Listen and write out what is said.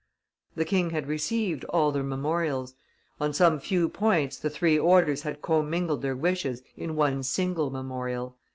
The king had received all the memorials; on some few points the three orders had commingled their wishes in one single memorial.